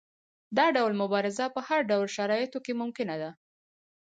دا ډول مبارزه په هر ډول شرایطو کې ممکنه ده.